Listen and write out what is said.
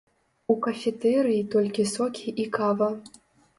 У кафетэрыі толькі сокі і кава.